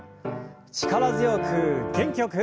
力強く元気よく。